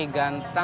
bukan menurut kary